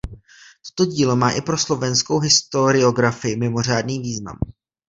Toto dílo má i pro slovenskou historiografii mimořádný význam.